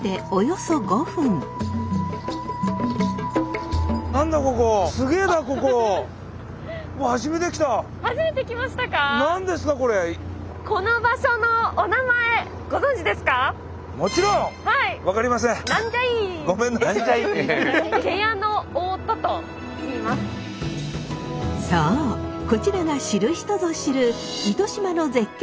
そうこちらが知る人ぞ知る糸島の絶景